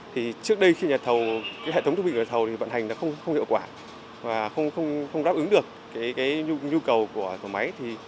trước đây hệ thống tuô bin của nhà thầu vận hành không hiệu quả và không đáp ứng được nhu cầu của tổ máy